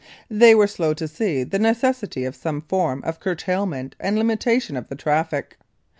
They were slow to see the necessity of some form of curtailment and limitation of the traffic.